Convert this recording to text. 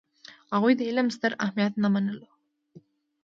هغوی د علم ستر اهمیت نه منلو.